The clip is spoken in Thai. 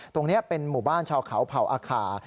ตรงนี้เป็นหมู่บ้านชาวเขาเผ่าอาคา